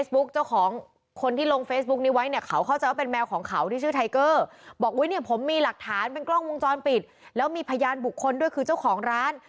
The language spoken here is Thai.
บอกว่าเนี่ยผมมีหลักฐานเป็นกล้องวงจรปิดแล้วมีพยานบุคคลด้วยคือเจ้าของร้าน